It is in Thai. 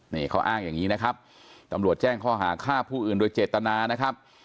นี่เขาอ้างอย่างนี้นะครับตำรวจแจ้งข้อหาฆ่าผู้อื่นโดยเจตนานะครับ